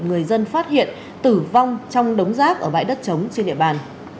người dân phát hiện tử vong trong đống rác ở bãi đất trống trên địa bàn